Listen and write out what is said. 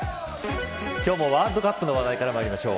今日もワールドカップの話題からまいりましょう。